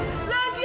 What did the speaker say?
iya kamu hebat